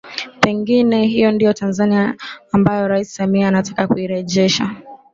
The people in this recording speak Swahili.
Pengine hii ndiyo Tanzania ambayo Rais Samia anataka kuirejesha